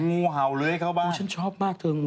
งูเห่าเลยเข้าบ้านอุ้ยฉันชอบมากเธอนู